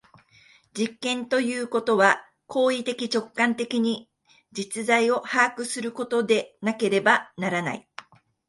実験ということは行為的直観的に実在を把握することでなければならない。